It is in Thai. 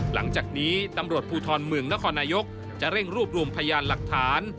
หลังจากนี้ตำรวจภูทรเมืองนครนายกจะเร่งรวบรวมพยานหลักฐาน